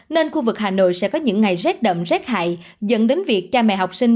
nên khu vực hà nội sẽ có những ngày rét đậm rét hại dẫn đến việc cha mẹ học sinh